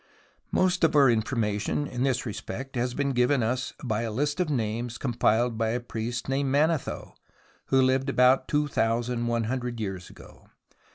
Most of our information in this respect has been given us by a list of names compiled by a priest named Manetho, who lived about two thousand one hundred years ago.